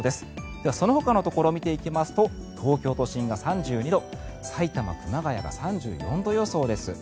では、そのほかのところを見ていきますと東京都心が３２度さいたま、熊谷が３４度予想です。